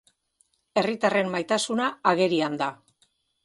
Herritarren maitasuna agerian da.